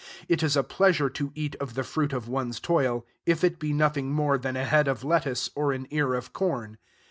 It is a pleasure to eat of the fruit of one's toil, if it be nothing more than a head of lettuce or an ear of corn.